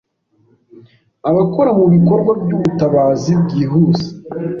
Abakora mu bikorwa by'ubutabazi bwihuse